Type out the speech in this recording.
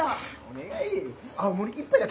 ・お願い！